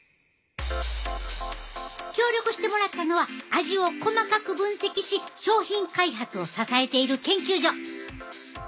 協力してもらったのは味を細かく分析し商品開発を支えている研究所。